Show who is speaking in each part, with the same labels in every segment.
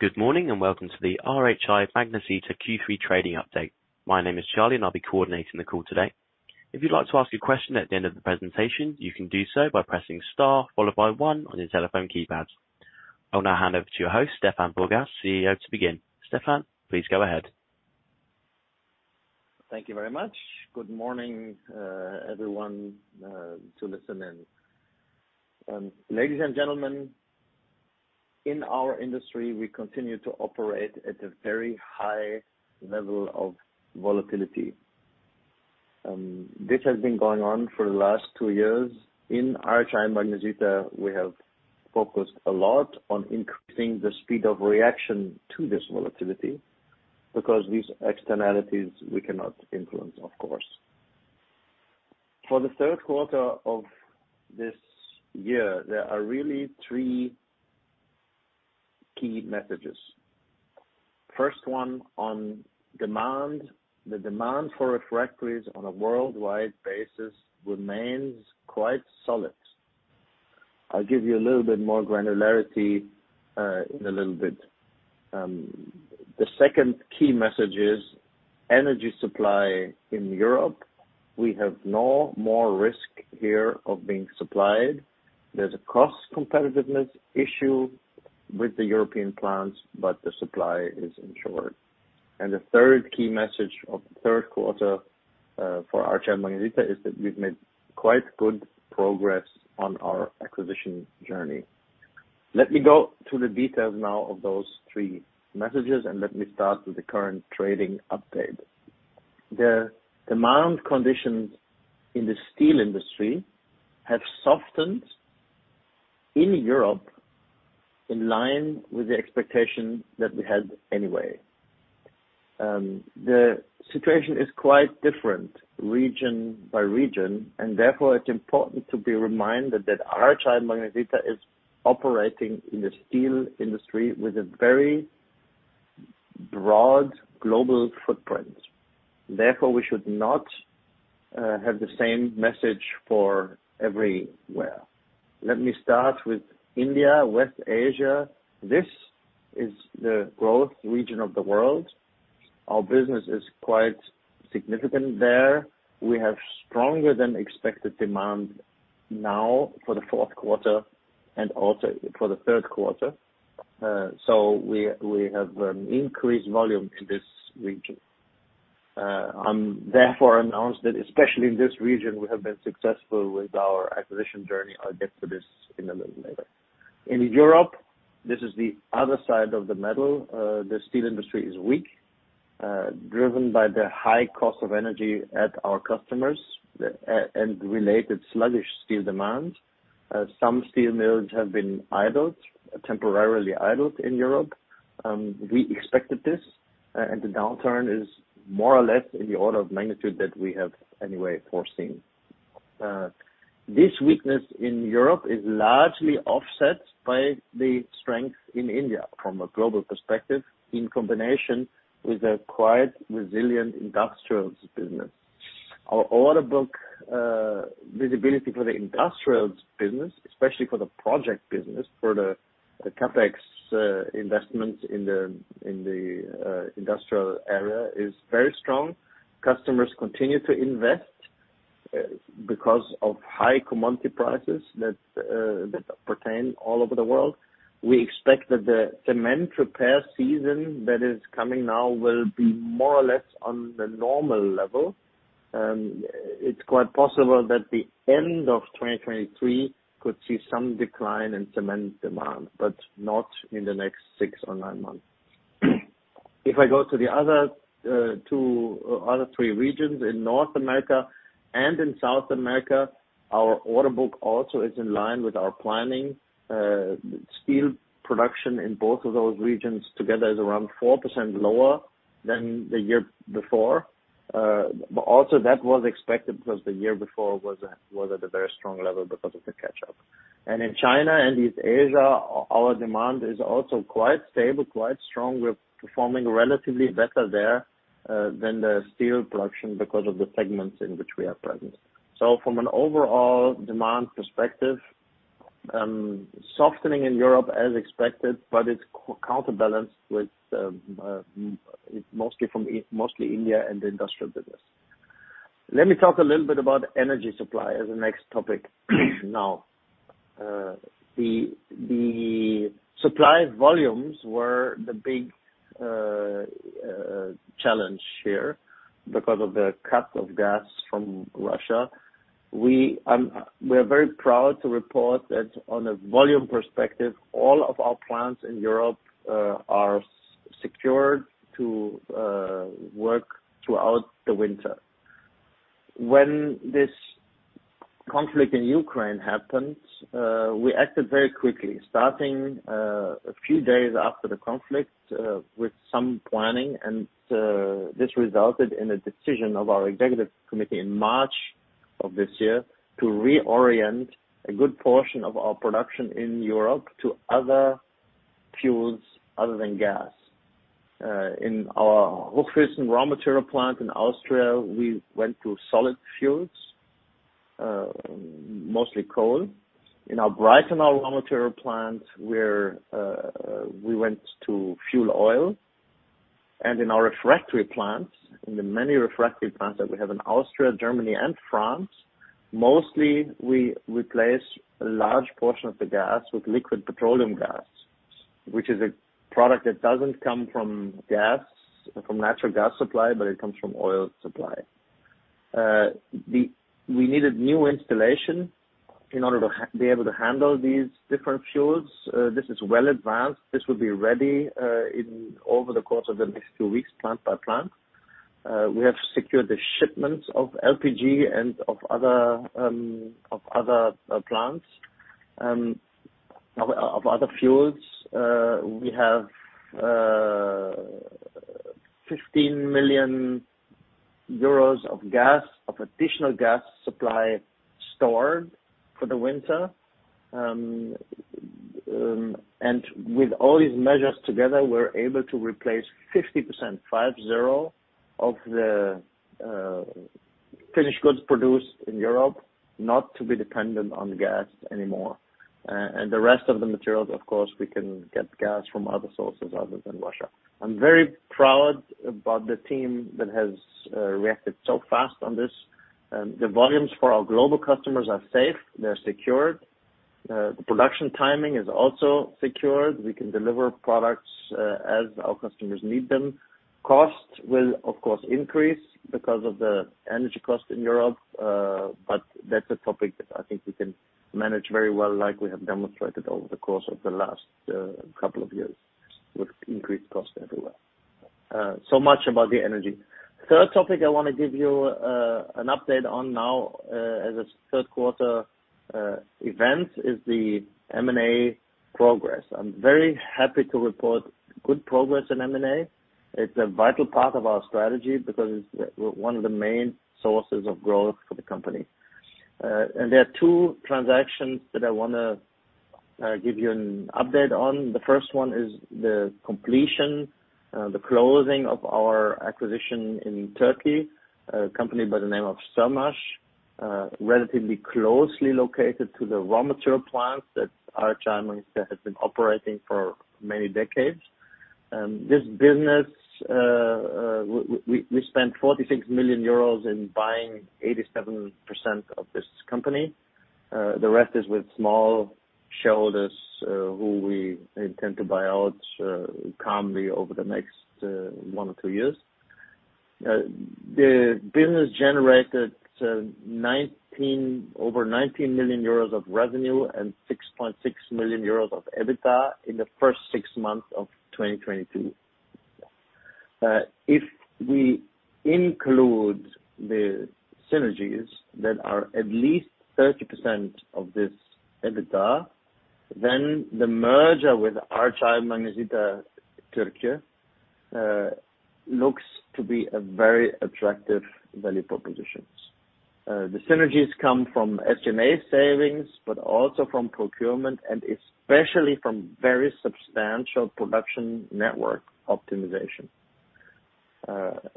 Speaker 1: Good morning, and welcome to the RHI Magnesita Q3 trading update. My name is Charlie, and I'll be coordinating the call today. If you'd like to ask a question at the end of the presentation, you can do so by pressing star followed by one on your telephone keypad. I'll now hand over to your host, Stefan Borgas, CEO, to begin. Stefan, please go ahead.
Speaker 2: Thank you very much. Good morning, everyone, to listen in. Ladies and gentlemen, in our industry, we continue to operate at a very high level of volatility. This has been going on for the last two years. In RHI Magnesita, we have focused a lot on increasing the speed of reaction to this volatility because these externalities we cannot influence, of course. For the third quarter of this year, there are really three key messages. First one on demand. The demand for refractories on a worldwide basis remains quite solid. I'll give you a little bit more granularity in a little bit. The second key message is energy supply. In Europe, we have no more risk here of not being supplied. There's a cost competitiveness issue with the European plants, but the supply is ensured. The third key message of the third quarter for RHI Magnesita is that we've made quite good progress on our acquisition journey. Let me go to the details now of those three messages, and let me start with the current trading update. The demand conditions in the steel industry have softened in Europe in line with the expectation that we had anyway. The situation is quite different region by region, and therefore it's important to be reminded that RHI Magnesita is operating in the steel industry with a very broad global footprint. Therefore, we should not have the same message for everywhere. Let me start with India, West Asia. This is the growth region of the world. Our business is quite significant there. We have stronger than expected demand now for the fourth quarter and also for the third quarter. We have increased volume in this region. We therefore announced that especially in this region, we have been successful with our acquisition journey. I'll get to this in a little later. In Europe, this is the other side of the medal. The steel industry is weak, driven by the high cost of energy at our customers, and related sluggish steel demand. Some steel mills have been temporarily idled in Europe. We expected this, and the downturn is more or less in the order of magnitude that we have anyway foreseen. This weakness in Europe is largely offset by the strength in India from a global perspective, in combination with a quite resilient industrials business. Our order book visibility for the industrials business, especially for the project business, for the CapEx investments in the industrial area, is very strong. Customers continue to invest because of high commodity prices that pertain all over the world. We expect that the cement repair season that is coming now will be more or less on the normal level. It's quite possible that the end of 2023 could see some decline in cement demand, but not in the next six or nine months. If I go to the other two or three regions, in North America and in South America, our order book also is in line with our planning. Steel production in both of those regions together is around 4% lower than the year before. That was expected 'cause the year before was at a very strong level because of the catch-up. In China and East Asia, our demand is also quite stable, quite strong. We're performing relatively better there than the steel production because of the segments in which we are present. From an overall demand perspective, softening in Europe as expected, but it's counterbalanced with mostly from mostly India and the industrial business. Let me talk a little bit about energy supply as the next topic now. The supply volumes were the big challenge here because of the cut of gas from Russia. We're very proud to report that on a volume perspective, all of our plants in Europe are secured to work throughout the winter. When this conflict in Ukraine happened, we acted very quickly, starting a few days after the conflict with some planning. This resulted in a decision of our executive committee in March of this year to reorient a good portion of our production in Europe to other fuels other than gas. In our Hofstein raw material plant in Austria, we went to solid fuels. Mostly coal. In our Breitenau raw material plant, we went to fuel oil. In our refractory plants, in the many refractory plants that we have in Austria, Germany, and France, mostly we replace a large portion of the gas with liquid petroleum gas, which is a product that doesn't come from gas, from natural gas supply, but it comes from oil supply. We needed new installation in order to be able to handle these different fuels. This is well advanced. This will be ready over the course of the next two weeks, plant by plant. We have secured the shipments of LPG and of other fuels. We have 15 million euros of additional gas supply stored for the winter. With all these measures together, we're able to replace 50% of the finished goods produced in Europe, not to be dependent on gas anymore. The rest of the materials, of course, we can get gas from other sources other than Russia. I'm very proud about the team that has reacted so fast on this. The volumes for our global customers are safe, they're secured. The production timing is also secured. We can deliver products as our customers need them. Costs will, of course, increase because of the energy cost in Europe, but that's a topic that I think we can manage very well like we have demonstrated over the course of the last couple of years with increased costs everywhere. Much about the energy. Third topic I wanna give you an update on now, as a third quarter event, is the M&A progress. I'm very happy to report good progress in M&A. It's a vital part of our strategy because it's one of the main sources of growth for the company. There are two transactions that I wanna give you an update on. The first one is the completion, the closing of our acquisition in Turkey, a company by the name of SÖRMAŞ, relatively closely located to the raw material plant that RHI Magnesita has been operating for many decades. This business, we spent 46 million euros in buying 87% of this company. The rest is with small shareholders, who we intend to buy out, calmly over the next one to two years. The business generated over 19 million euros of revenue and 6.6 million euros of EBITDA in the first 6 months of 2022. If we include the synergies that are at least 30% of this EBITDA, then the merger with RHI Magnesita Türkiye looks to be a very attractive value propositions. The synergies come from SG&A savings, but also from procurement, and especially from very substantial production network optimization.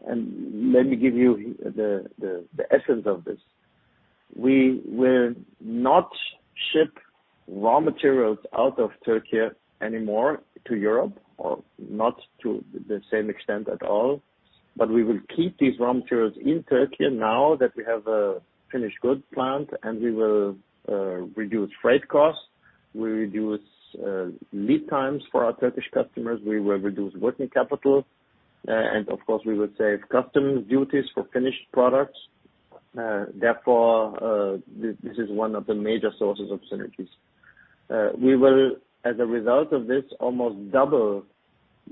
Speaker 2: Let me give you the essence of this. We will not ship raw materials out of Türkiye anymore to Europe, or not to the same extent at all, but we will keep these raw materials in Türkiye now that we have a finished goods plant, and we will reduce freight costs. We'll reduce lead times for our Turkish customers. We will reduce working capital. Of course, we will save customs duties for finished products. Therefore, this is one of the major sources of synergies. As a result of this, we will almost double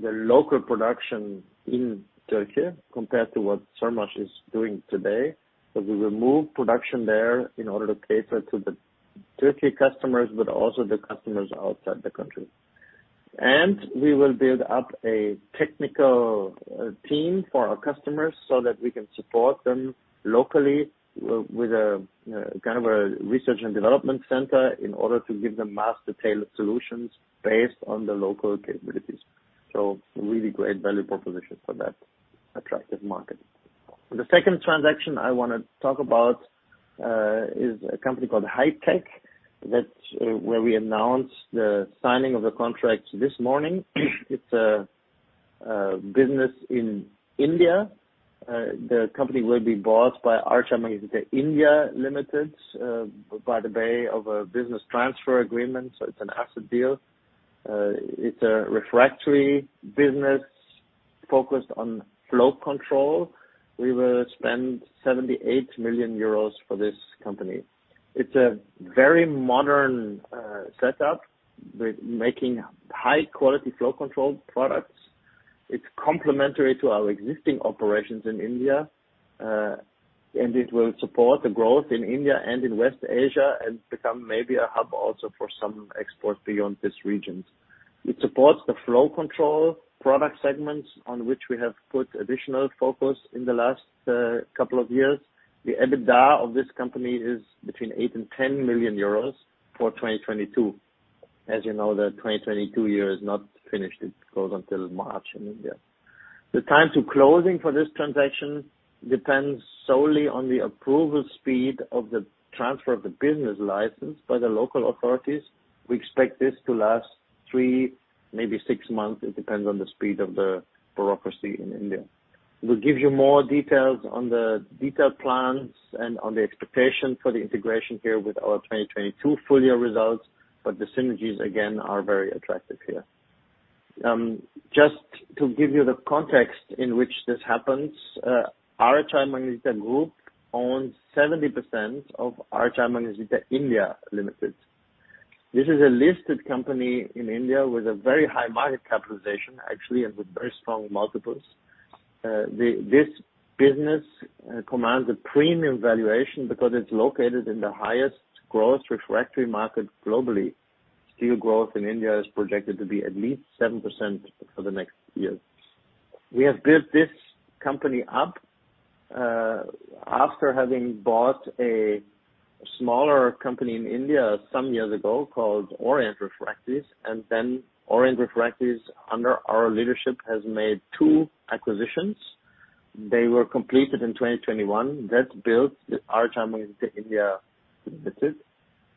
Speaker 2: the local production in Türkiye compared to what SÖRMAŞ is doing today. We will move production there in order to cater to the Türkiye customers, but also the customers outside the country. We will build up a technical team for our customers so that we can support them locally with a kind of a research and development center in order to give them tailor-made solutions based on the local capabilities. Really great value proposition for that attractive market. The second transaction I want to talk about is a company called Hi-Tech Chemicals. That's where we announced the signing of the contract this morning. It's a business in India. The company will be bought by RHI Magnesita India Limited by way of a business transfer agreement, so it's an asset deal. It's a refractory business focused on flow control. We will spend 78 million euros for this company. It's a very modern setup with making high-quality flow control products. It's complementary to our existing operations in India, and it will support the growth in India and in West Asia and become maybe a hub also for some exports beyond these regions. It supports the flow control product segments on which we have put additional focus in the last couple of years. The EBITDA of this company is between 8 million and 10 million euros for 2022. As you know, the 2022 year is not finished. It goes until March in India. The time to closing for this transaction depends solely on the approval speed of the transfer of the business license by the local authorities. We expect this to last three, maybe six months. It depends on the speed of the bureaucracy in India. We'll give you more details on the detailed plans and on the expectation for the integration here with our 22 full year results, but the synergies, again, are very attractive here. Just to give you the context in which this happens, RHI Magnesita Group owns 70% of RHI Magnesita India Limited. This is a listed company in India with a very high market capitalization, actually, and with very strong multiples. This business commands a premium valuation because it's located in the highest growth refractory market globally. Steel growth in India is projected to be at least 7% for the next years. We have built this company up, after having bought a smaller company in India some years ago called Orient Refractories, and then Orient Refractories, under our leadership, has made two acquisitions. They were completed in 2021. That built RHI Magnesita India Limited.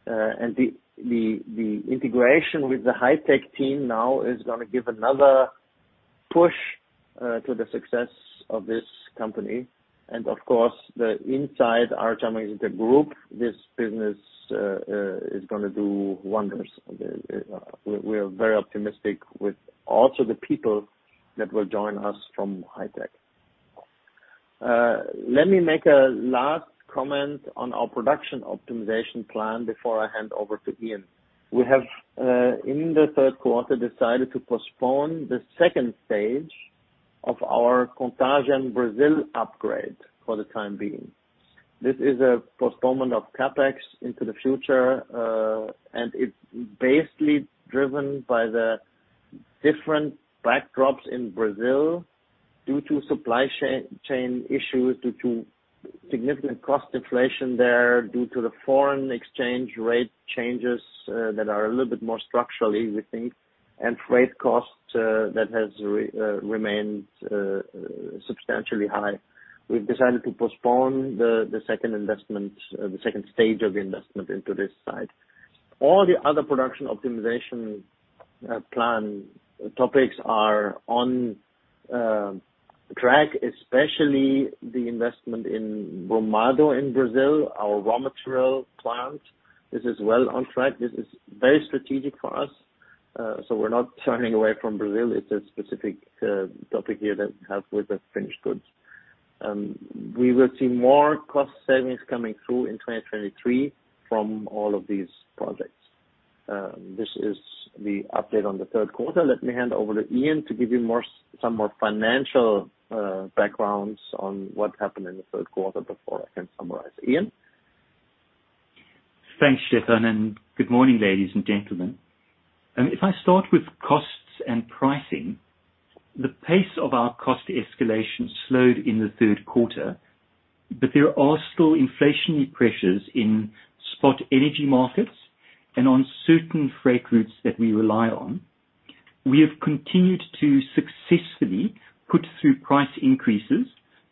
Speaker 2: The integration with the Hi-Tech team now is gonna give another push to the success of this company. Of course, inside the RHI Magnesita Group, this business is gonna do wonders. We are very optimistic with also the people that will join us from Hi-Tech. Let me make a last comment on our production optimization plan before I hand over to Ian. We have, in the third quarter, decided to postpone the second stage of our Contagem, Brazil upgrade for the time being. This is a postponement of CapEx into the future, and it's basically driven by the different backdrops in Brazil due to supply chain issues, due to significant cost inflation there, due to the foreign exchange rate changes, that are a little bit more structural, we think, and freight costs that has remained substantially high. We've decided to postpone the second investment, the second stage of investment into this site. All the other production optimization plan topics are on track, especially the investment in Brumado in Brazil, our raw material plant. This is well on track. This is very strategic for us. We're not turning away from Brazil. It's a specific topic here that we have with the finished goods. We will see more cost savings coming through in 2023 from all of these projects. This is the update on the third quarter. Let me hand over to Ian to give you some more financial backgrounds on what happened in the third quarter before I can summarize. Ian?
Speaker 3: Thanks, Stefan, and good morning, ladies and gentlemen. If I start with costs and pricing, the pace of our cost escalation slowed in the third quarter, but there are still inflationary pressures in spot energy markets and on certain freight routes that we rely on. We have continued to successfully put through price increases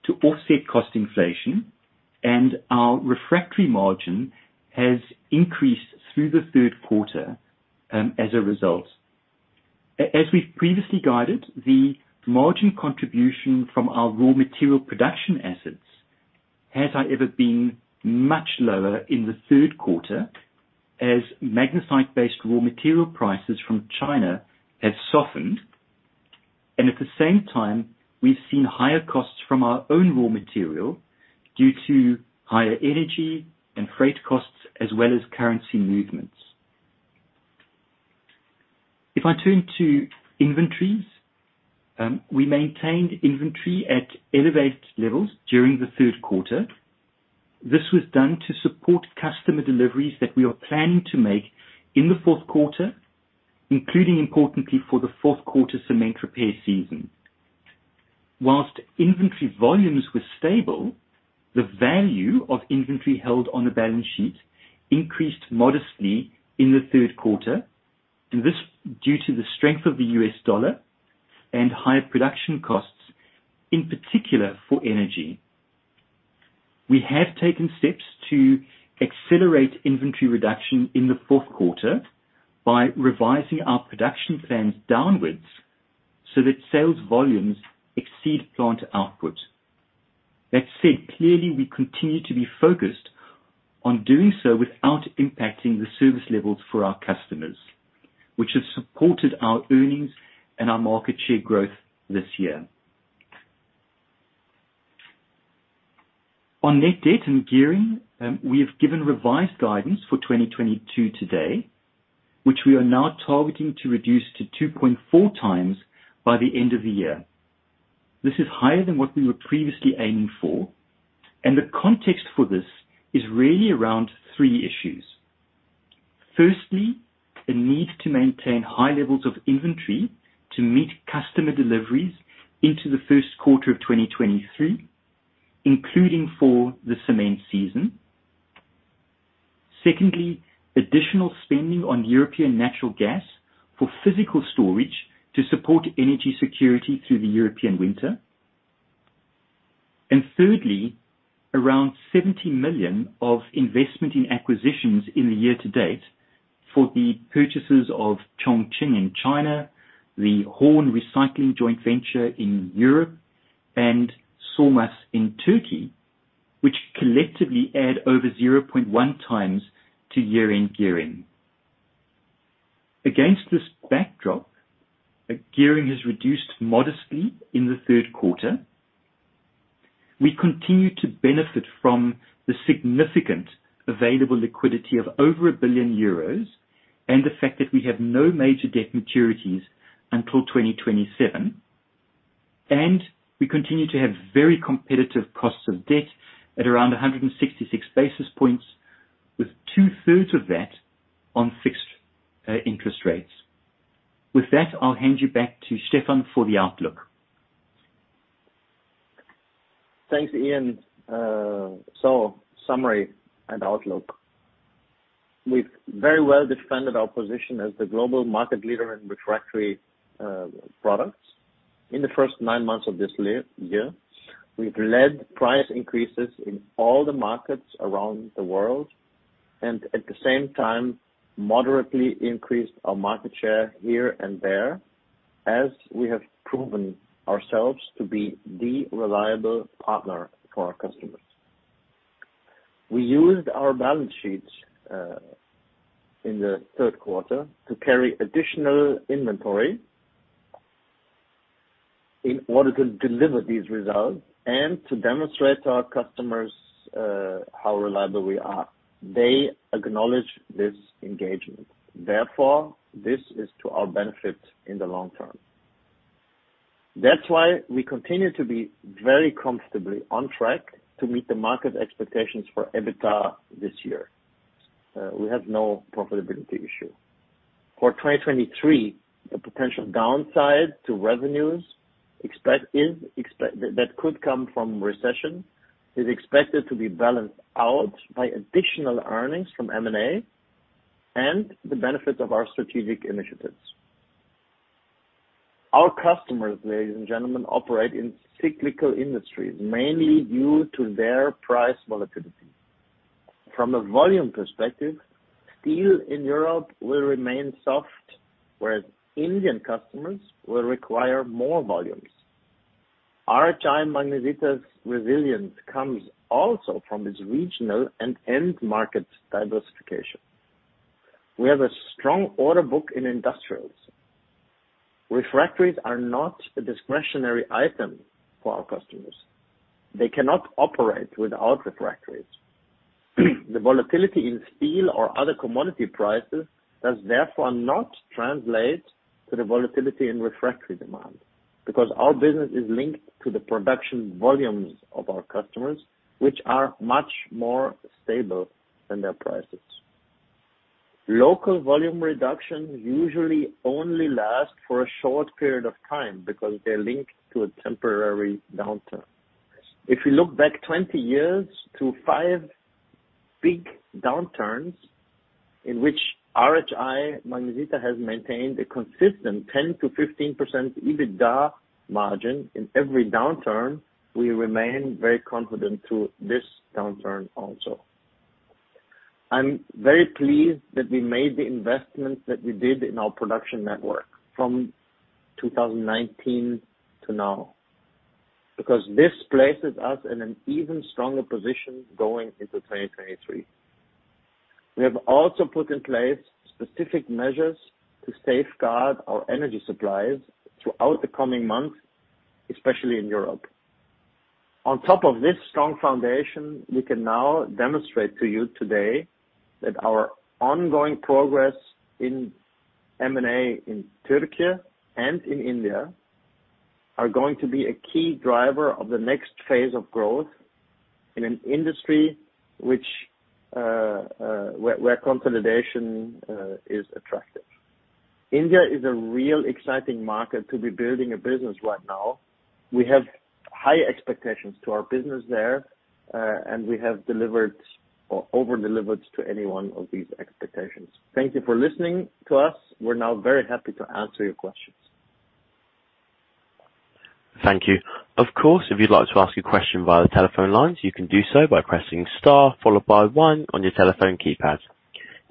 Speaker 3: to offset cost inflation, and our refractory margin has increased through the third quarter, as a result. As we've previously guided, the margin contribution from our raw material production assets has, however, been much lower in the third quarter as magnesite-based raw material prices from China have softened, and at the same time, we've seen higher costs from our own raw material due to higher energy and freight costs, as well as currency movements. If I turn to inventories, we maintained inventory at elevated levels during the third quarter. This was done to support customer deliveries that we are planning to make in the fourth quarter, including importantly for the fourth quarter cement repair season. While inventory volumes were stable, the value of inventory held on the balance sheet increased modestly in the third quarter, and this, due to the strength of the US dollar and higher production costs, in particular for energy. We have taken steps to accelerate inventory reduction in the fourth quarter by revising our production plans downwards so that sales volumes exceed plant output. That said, clearly, we continue to be focused on doing so without impacting the service levels for our customers, which has supported our earnings and our market share growth this year. On net debt and gearing, we have given revised guidance for 2022 today, which we are now targeting to reduce to 2.4 times by the end of the year. This is higher than what we were previously aiming for, and the context for this is really around three issues. Firstly, the need to maintain high levels of inventory to meet customer deliveries into the first quarter of 2023, including for the cement season. Secondly, additional spending on European natural gas for physical storage to support energy security through the European winter. Thirdly, around 70 million of investment in acquisitions in the year to date for the purchases of Chongqing in China, the Horn Recycling joint venture in Europe, and SÖRMAŞ in Turkey, which collectively add over 0.1 times to year-end gearing. Against this backdrop, gearing has reduced modestly in the third quarter. We continue to benefit from the significant available liquidity of over 1 billion euros, and the fact that we have no major debt maturities until 2027. We continue to have very competitive costs of debt at around 166 basis points, with two-thirds of that on fixed interest rates. With that, I'll hand you back to Stefan for the outlook.
Speaker 2: Thanks, Ian. So summary and outlook. We've very well defended our position as the global market leader in refractory products. In the first nine months of this year, we've led price increases in all the markets around the world, and at the same time, moderately increased our market share here and there, as we have proven ourselves to be the reliable partner for our customers. We used our balance sheets in the third quarter to carry additional inventory in order to deliver these results and to demonstrate to our customers how reliable we are. They acknowledge this engagement, therefore, this is to our benefit in the long term. That's why we continue to be very comfortably on track to meet the market expectations for EBITDA this year. We have no profitability issue. For 2023, the potential downside to revenues expected is. That could come from recession is expected to be balanced out by additional earnings from M&A and the benefits of our strategic initiatives. Our customers, ladies and gentlemen, operate in cyclical industries, mainly due to their price volatility. From a volume perspective, steel in Europe will remain soft, whereas Indian customers will require more volumes. RHI Magnesita's resilience comes also from its regional and end market diversification. We have a strong order book in industrials. Refractories are not a discretionary item for our customers. They cannot operate without refractories. The volatility in steel or other commodity prices does therefore not translate to the volatility in refractory demand, because our business is linked to the production volumes of our customers, which are much more stable than their prices. Local volume reduction usually only lasts for a short period of time because they're linked to a temporary downturn. If you look back 20 years to 5 big downturns in which RHI Magnesita has maintained a consistent 10%-15% EBITDA margin in every downturn, we remain very confident through this downturn also. I'm very pleased that we made the investments that we did in our production network from 2019 to now, because this places us in an even stronger position going into 2023. We have also put in place specific measures to safeguard our energy supplies throughout the coming months, especially in Europe. On top of this strong foundation, we can now demonstrate to you today that our ongoing progress in M&A in Turkey and in India are going to be a key driver of the next phase of growth in an industry where consolidation is attractive. India is a real exciting market to be building a business right now. We have high expectations to our business there, and we have delivered or over-delivered to any one of these expectations. Thank you for listening to us. We're now very happy to answer your questions.
Speaker 1: Thank you. Of course, if you'd like to ask a question via the telephone lines, you can do so by pressing Star followed by One on your telephone keypad.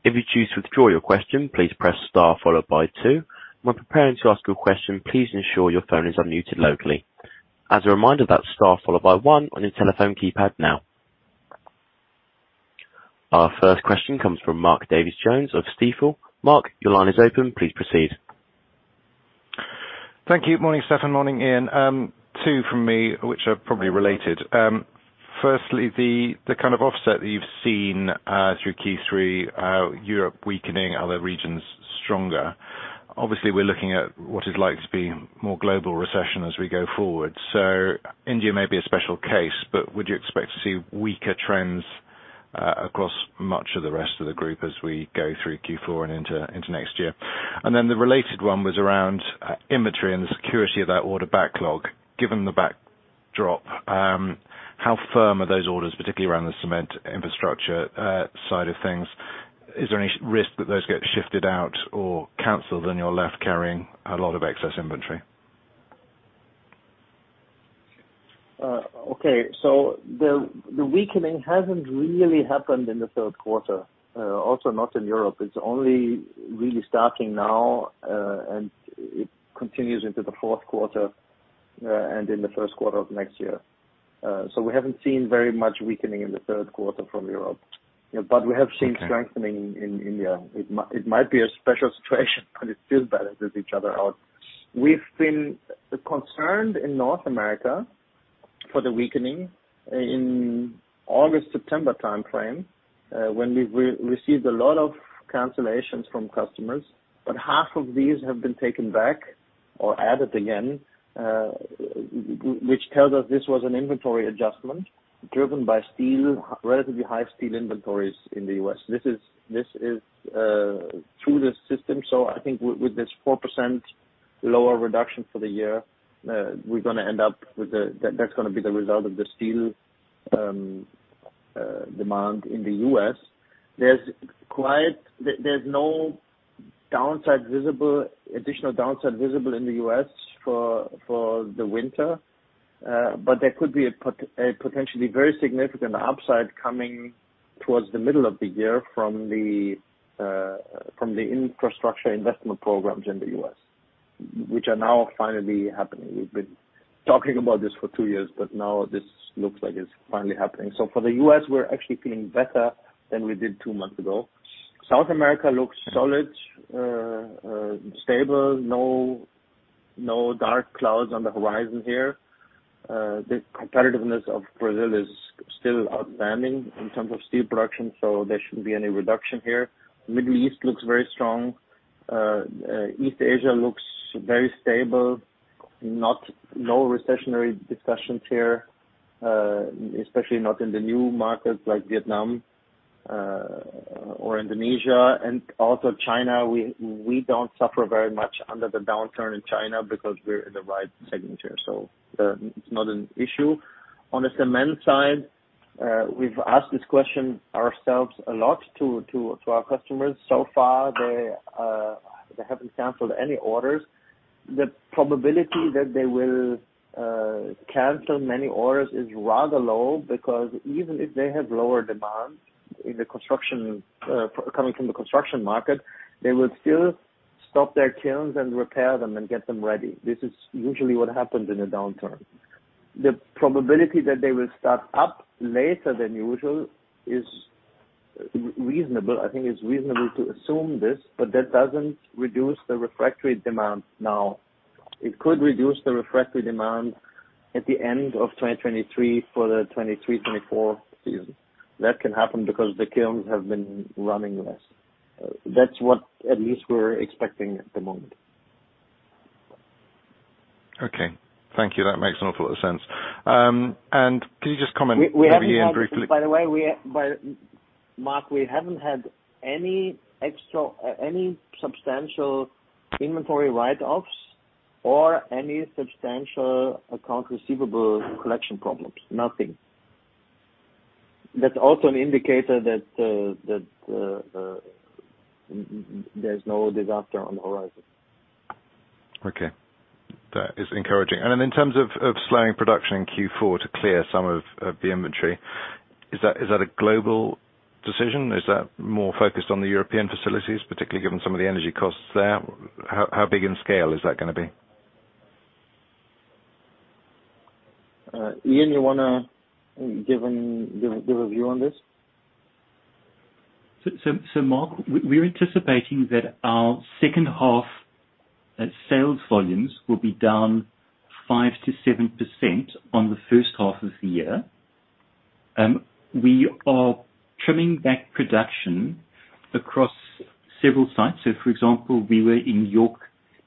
Speaker 1: If you choose to withdraw your question, please press Star followed by Two. When preparing to ask your question, please ensure your phone is unmuted locally. As a reminder, that's Star followed by One on your telephone keypad now. Our first question comes from Mark Davies Jones of Stifel. Mark, your line is open. Please proceed.
Speaker 4: Thank you. Morning, Stefan. Morning, Ian. Two from me, which are probably related. Firstly, the kind of offset that you've seen through Q3, Europe weakening, other regions stronger. Obviously, we're looking at what is likely to be more global recession as we go forward. India may be a special case, but would you expect to see weaker trends across much of the rest of the group as we go through Q4 and into next year? Then the related one was around inventory and the security of that order backlog, given the backdrop. How firm are those orders, particularly around the cement infrastructure side of things? Is there any risk that those get shifted out or canceled, and you're left carrying a lot of excess inventory?
Speaker 2: The weakening hasn't really happened in the third quarter, also not in Europe. It's only really starting now, and it continues into the fourth quarter, and in the first quarter of next year. We haven't seen very much weakening in the third quarter from Europe. You know, we have seen.
Speaker 4: Okay.
Speaker 2: Strengthening in India. It might be a special situation, but it still balances each other out. We've been concerned in North America for the weakening in August-September timeframe, when we received a lot of cancellations from customers, but half of these have been taken back or added again. Which tells us this was an inventory adjustment driven by steel, relatively high steel inventories in the US. This is through the system, so I think with this 4% lower reduction for the year, we're gonna end up with that. That's gonna be the result of the steel demand in the US. There's no additional downside visible in the US for the winter. There could be a potentially very significant upside coming towards the middle of the year from the infrastructure investment programs in the US, which are now finally happening. We've been talking about this for two years, but now this looks like it's finally happening. For the US, we're actually feeling better than we did two months ago. South America looks solid, stable. No dark clouds on the horizon here. The competitiveness of Brazil is still outstanding in terms of steel production, so there shouldn't be any reduction here. Middle East looks very strong. East Asia looks very stable. No recessionary discussions here, especially not in the new markets like Vietnam, or Indonesia and also China. We don't suffer very much under the downturn in China because we're in the right segment here, so, it's not an issue. On the cement side, we've asked this question ourselves a lot to our customers. So far they haven't canceled any orders. The probability that they will cancel many orders is rather low, because even if they have lower demand in the construction coming from the construction market, they would still stop their kilns and repair them and get them ready. This is usually what happens in a downturn. The probability that they will start up later than usual is reasonable. I think it's reasonable to assume this, but that doesn't reduce the refractory demand now. It could reduce the refractory demand at the end of 2023 for the 2023-2024 season. That can happen because the kilns have been running less. That's what at least we're expecting at the moment.
Speaker 4: Okay. Thank you. That makes an awful lot of sense. Could you just comment?
Speaker 2: We haven't had
Speaker 4: on Ian Botha briefly.
Speaker 2: By the way, Mark, we haven't had any extra, any substantial inventory write-offs or any substantial accounts receivable collection problems, nothing. That's also an indicator that that there's no disaster on the horizon.
Speaker 4: Okay. That is encouraging. In terms of slowing production in Q4 to clear some of the inventory, is that a global decision? Is that more focused on the European facilities, particularly given some of the energy costs there? How big in scale is that gonna be?
Speaker 2: Ian, you wanna give a view on this?
Speaker 3: Mark, we're anticipating that our second half sales volumes will be down 5%-7% on the first half of the year. We are trimming back production across several sites. For example, we were in York,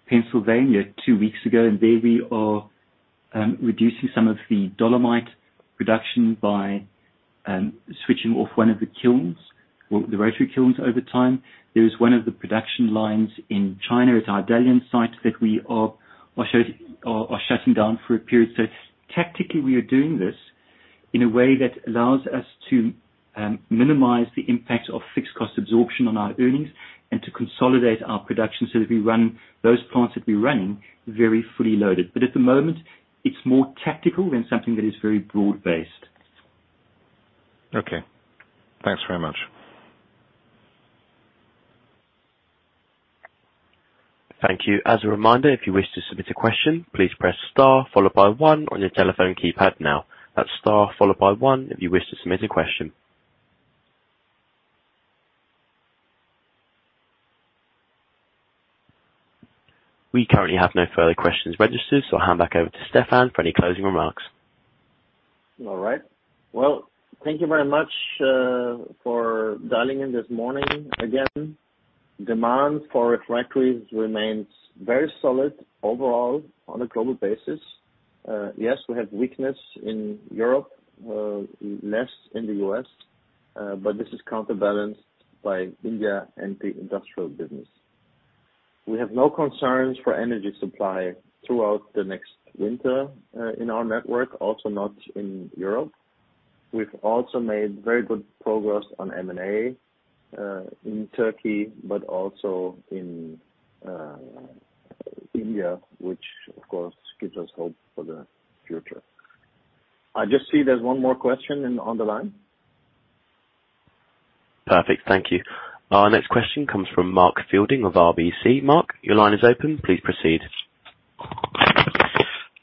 Speaker 3: Pennsylvania two weeks ago, and there we are reducing some of the dolomite production by switching off one of the kilns, the rotary kilns over time. There is one of the production lines in China at our Dalian site that we are shutting down for a period. Tactically, we are doing this in a way that allows us to minimize the impact of fixed cost absorption on our earnings and to consolidate our production, so that we run those plants that we run very fully loaded. At the moment, it's more tactical than something that is very broad based.
Speaker 4: Okay. Thanks very much.
Speaker 1: Thank you. As a reminder, if you wish to submit a question, please press star followed by one on your telephone keypad now. That's star followed by one if you wish to submit a question. We currently have no further questions registered, so I'll hand back over to Stefan for any closing remarks.
Speaker 2: All right. Well, thank you very much for dialing in this morning. Again, demand for refractories remains very solid overall on a global basis. Yes, we have weakness in Europe, less in the U.S., but this is counterbalanced by India and the industrial business. We have no concerns for energy supply throughout the next winter in our network, also not in Europe. We've also made very good progress on M&A in Turkey, but also in India, which of course gives us hope for the future. I just see there's one more question online.
Speaker 1: Perfect. Thank you. Our next question comes from Mark Sheridan of RBC. Mark, your line is open. Please proceed.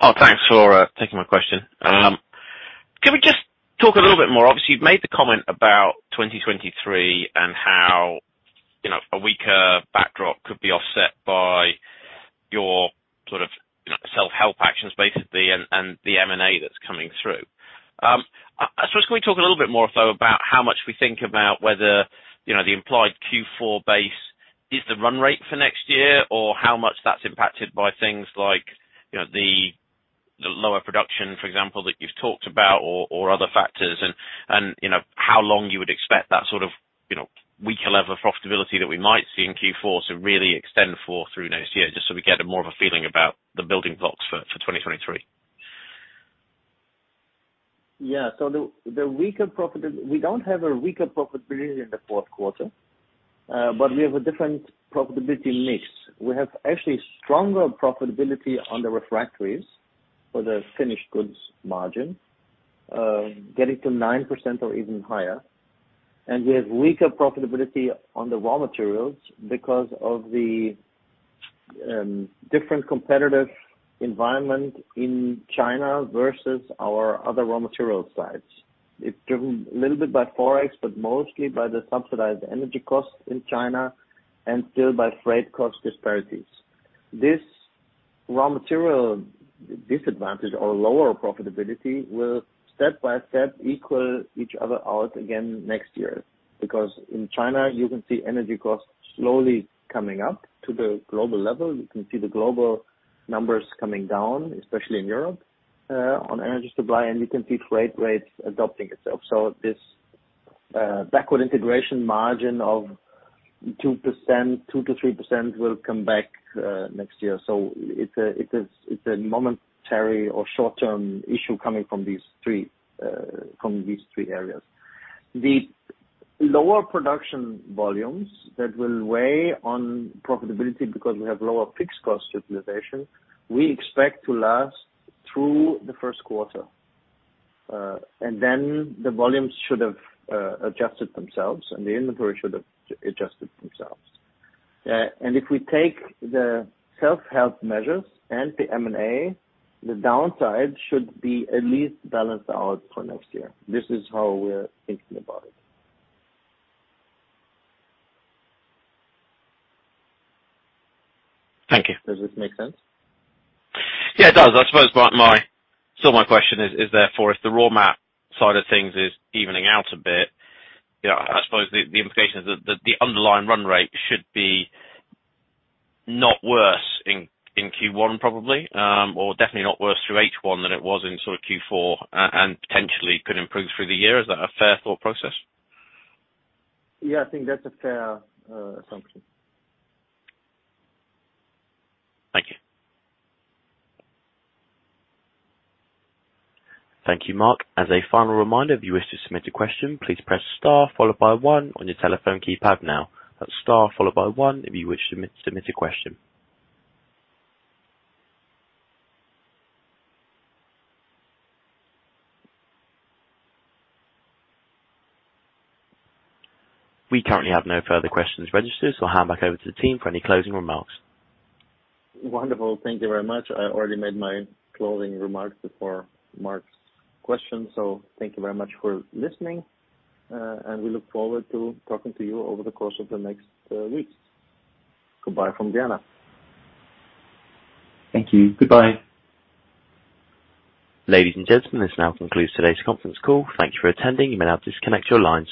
Speaker 5: Oh, thanks for taking my question. Can we just talk a little bit more? Obviously, you've made the comment about 2023 and how, you know, a weaker backdrop could be offset by your sort of self-help actions, basically, and the M&A that's coming through. I just wanna talk a little bit more, though, about how much we think about whether, you know, the implied Q4 base is the run rate for next year, or how much that's impacted by things like, you know, the lower production, for example, that you've talked about or other factors and, you know, how long you would expect that sort of, you know, weaker level of profitability that we might see in Q4 to really extend for through next year, just so we get a more of a feeling about the building blocks for 2023.
Speaker 2: We don't have a weaker profitability in the fourth quarter, but we have a different profitability mix. We have actually stronger profitability on the refractories for the finished goods margin getting to 9% or even higher. We have weaker profitability on the raw materials because of the different competitive environment in China versus our other raw material sites. It's driven a little bit by Forex, but mostly by the subsidized energy costs in China and still by freight cost disparities. This raw material disadvantage or lower profitability will step by step equal each other out again next year. Because in China, you can see energy costs slowly coming up to the global level. You can see the global numbers coming down, especially in Europe, on energy supply, and you can see freight rates adapting itself. This backward integration margin of 2%, 2%-3% will come back next year. It's a momentary or short term issue coming from these three areas. The lower production volumes that will weigh on profitability because we have lower fixed cost utilization, we expect to last through the first quarter, and then the volumes should have adjusted themselves and the inventory should have adjusted themselves. If we take the self-help measures and the M&A, the downside should be at least balanced out for next year. This is how we're thinking about it.
Speaker 5: Thank you.
Speaker 2: Does this make sense?
Speaker 5: Yeah, it does. I suppose so my question is therefore, if the raw material side of things is evening out a bit, you know, I suppose the implication is that the underlying run rate should be not worse in Q1, probably, or definitely not worse through H1 than it was in sort of Q4 and potentially could improve through the year. Is that a fair thought process?
Speaker 2: Yeah, I think that's a fair assumption.
Speaker 5: Thank you.
Speaker 1: Thank you, Mark. As a final reminder, if you wish to submit a question, please press star followed by one on your telephone keypad now. That's star followed by one if you wish to submit a question. We currently have no further questions registered, so I'll hand back over to the team for any closing remarks.
Speaker 2: Wonderful. Thank you very much. I already made my closing remarks before Mark's question. Thank you very much for listening, and we look forward to talking to you over the course of the next weeks. Goodbye from Vienna.
Speaker 1: Thank you. Goodbye. Ladies and gentlemen, this now concludes today's conference call. Thank you for attending. You may now disconnect your lines.